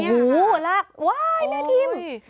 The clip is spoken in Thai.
โอ้โฮลักษณ์ว้ายแม่ทีม